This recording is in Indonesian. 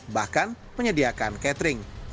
bahkan penyediakan catering